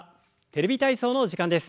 「テレビ体操」の時間です。